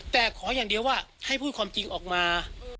แต่ขออย่างเดียวว่าให้พูดความจริงออกมา